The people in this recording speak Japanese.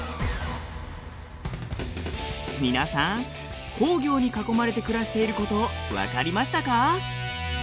皆さん工業に囲まれて暮らしていること分かりましたか？